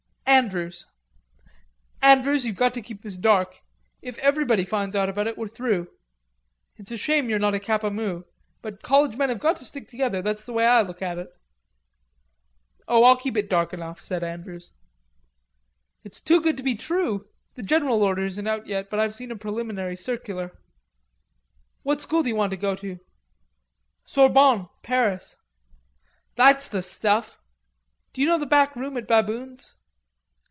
"Andrews." "Andrews, you've got to keep this dark. If everybody finds out about it we're through. It's a shame you're not a Kappa Mu, but college men have got to stick together, that's the way I look at it." "Oh, I'll keep it dark enough," said Andrews. "It's too good to be true. The general order isn't out yet, but I've seen a preliminary circular. What school d'you want to go to?" "Sorbonne, Paris." "That's the stuff. D'you know the back room at Baboon's?"